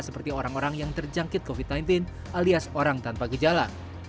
seperti orang orang yang terjangkit covid sembilan belas alias orang tanpa gejala